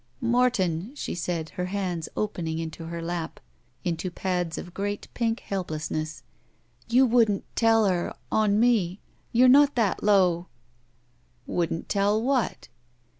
"Morton," she said, her hands opening into her lap into pads of great pink helplessness, "you wouldn't tell her — on me! You're not that low!" "Wouldn't tell what?"